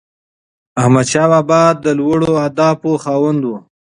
احمدشاه بابا د لوړو اهدافو خاوند و.